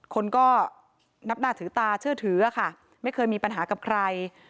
คนก็นับหน้าถือตาเชื่อถือค่ะไม่เคยมีปัญหากับใคร